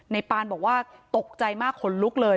ปานบอกว่าตกใจมากขนลุกเลย